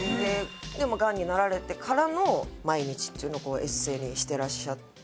がんになられてからの毎日っていうのをエッセイにしてらっしゃって。